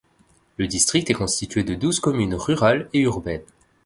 Le district est constituée de douze communes rurales et urbaines.